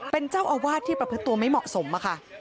เป็นเจ้าอาวาสที่ประพฤติตัวไม่เหมาะสมค่ะ